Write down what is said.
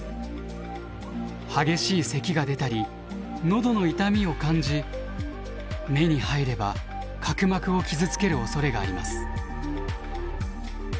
激しい咳が出たり喉の痛みを感じ目に入れば角膜を傷つけるおそれがあります。